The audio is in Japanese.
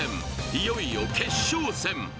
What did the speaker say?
いよいよ決勝戦